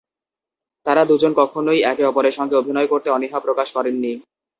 তাঁরা দুজন কখনোই একে অপরের সঙ্গে অভিনয় করতে অনীহা প্রকাশ করেননি।